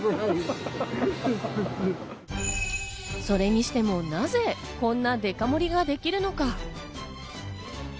それにしてもなぜ、こんなデカ盛りができるのか？